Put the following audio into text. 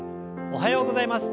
おはようございます。